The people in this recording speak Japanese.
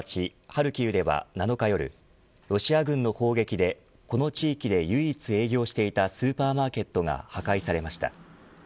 ハルキウでは７日夜ロシア軍の砲撃でこの地域で唯一営業していたスーパーマーケットが破壊されました。